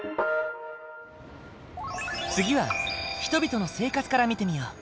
次は人々の生活から見てみよう。